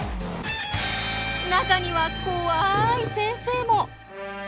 中にはこわい先生も。